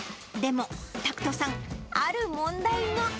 でも、拓人さん、ある問題が。